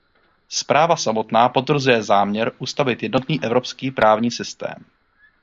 Zpráva samotná potvrzuje záměr ustavit jednotný evropský právní systém.